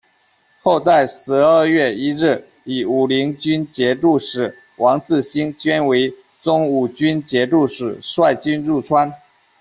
后在十二月一日，以武宁军节度使王智兴兼为忠武军节度使，率军入川。